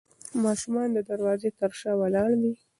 ماشوم د دروازې تر شا ولاړ دی.